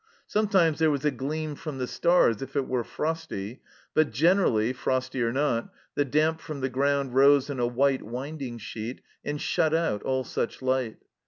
Sometimes there was a gleam from the stars if it were frosty, but generally, frosty or not, the damp from the ground rose in a white winding sheet and shut out all such light.